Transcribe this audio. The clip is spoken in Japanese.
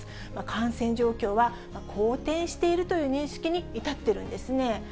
感染状況は好転しているという認識に至っているんですね。